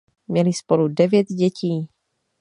Měli spolu devět dětí.